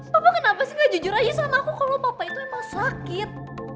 bapak kenapa sih gak jujur aja sama aku kalau papa itu emang sakit